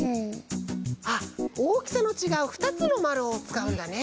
あっおおきさのちがうふたつのまるをつかうんだね。